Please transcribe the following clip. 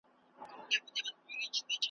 د سترګو تور مي در لېږم جانانه هېر مي نه کې .